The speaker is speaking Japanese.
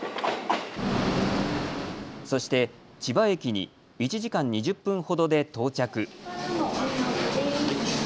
そして、千葉駅に１時間２０分ほどで到着。